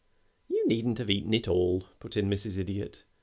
"You needn't have eaten it all," put in Mrs. Idiot.